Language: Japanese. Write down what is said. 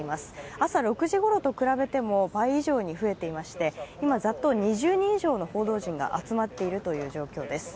朝６時ごろと比べても倍以上に増えていまして今、ざっと２０人以上の報道陣が集まっているという状況です。